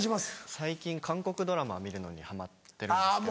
最近韓国ドラマ見るのにハマってるんですけど。